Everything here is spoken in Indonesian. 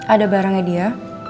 ada barangnya dia